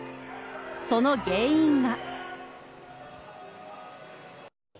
その原因が。